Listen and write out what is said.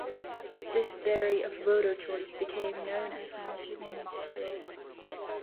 This theory of voter choice became known as the Michigan Model.